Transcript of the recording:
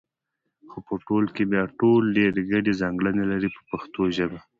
خو په ټول کې بیا ټول ډېرې ګډې ځانګړنې لري په پښتو ژبه.